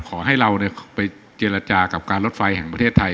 ขอให้เราไปเจรจากับการรถไฟแห่งประเทศไทย